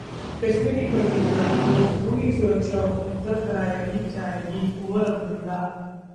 कश्मीरी पंडितों को पूरी सुरक्षा उपलब्ध करायी जायेगी: उमर अब्दुल्ला